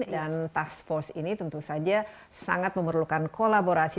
dan task force ini tentu saja sangat memerlukan kolaborasi